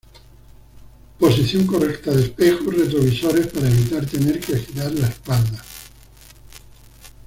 Posición correcta de espejos retrovisores para evitar tener que girar la espalda.